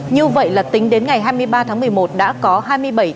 như vậy là tính đến ngày hai mươi ba tháng một mươi một đã có hai mươi bảy tỉnh thành phố